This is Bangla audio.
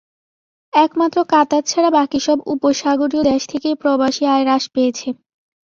একমাত্র কাতার ছাড়া বাকি সব উপসাগরীয় দেশ থেকেই প্রবাসী আয় হ্রাস পেয়েছে।